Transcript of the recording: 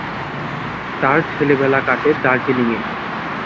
তার ছেলেবেলা কাটে দার্জিলিঙয়ে।